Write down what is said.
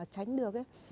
tránh được ấy